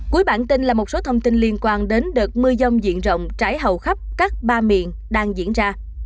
cuối bản tin là một số thông tin liên quan đến đợt mưa rông diện rộng trái hầu khắp các ba miền đang diễn ra